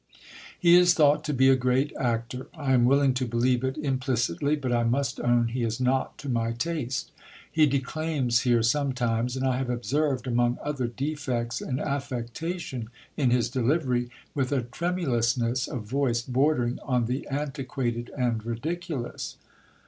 He is thought to be a great ictor. I am willing to believe it implicitly, but I must own he is not to my :aste. He declaims here sometimes ; and I have observed, among: other defects. io8 GIL BLAS. ', an affectation in his delivery, with a tremulousness of voice bordering on the antiquated and ridiculous.